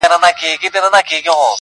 • تور باڼۀ وروځې او زلفې خال او زخه ,